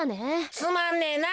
つまんねえなあ。